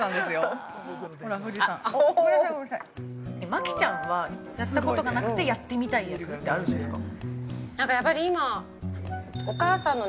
◆マキちゃんはやったことがなくてやってみたい役ってあるんですか。